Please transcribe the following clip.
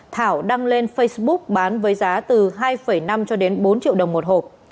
thảo đăng lên facebook bán với giá từ hai năm cho đến bốn triệu đồng một hộp